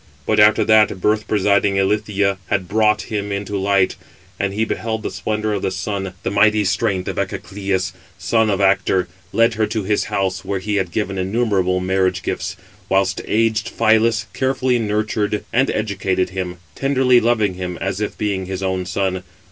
But after that birth presiding Ilithyia had brought him into light, and he beheld the splendour of the sun, the mighty strength of Echecleus, son of Actor, led her to his house when he had given innumerable marriage gifts; whilst aged Phylas carefully nurtured and educated him, tenderly loving him, as if being his own son.